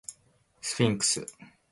スフィンクス